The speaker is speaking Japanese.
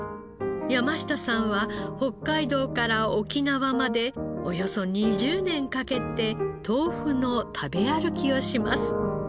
山下さんは北海道から沖縄までおよそ２０年かけて豆腐の食べ歩きをします。